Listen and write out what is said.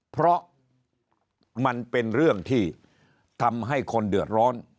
เพราะมันเป็นเรื่องที่ทำให้คนเดือดร้อน